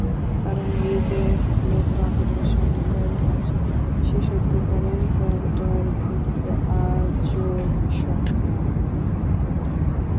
কারণ এই যে লোকটা আপনাদের সামনে দাঁড়িয়ে আছে সে সত্যিকারের ক্যান্টারবুরির আর্চবিশপ নয়।